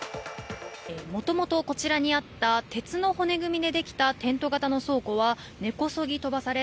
もともとこちらにあった鉄の骨組みでできたテント型の倉庫は根こそぎ飛ばされ